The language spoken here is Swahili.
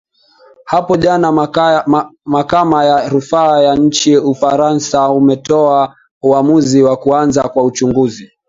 hapo jana makama ya rufaa ya nchini ufaransa umetoa uamuzi wa kuanza kwa uchuguzi